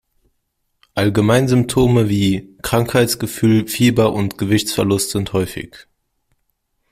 Allgemeinsymptome wie Krankheitsgefühl, Fieber und Gewichtsverlust sind häufig.